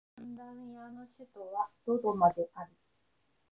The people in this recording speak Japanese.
タンザニアの首都はドドマである